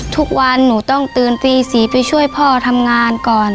ทุกวันนูต้องตื่นปลีสีไปช่วยพ่อทำงานค่ะ